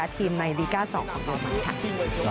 ทีมในลีก้า๒ของโรมันค่ะ